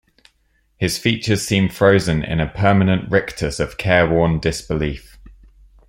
His features seem frozen in a permanent rictus of careworn disbelief.